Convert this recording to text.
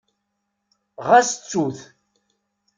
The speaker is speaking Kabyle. Ɣas ttut.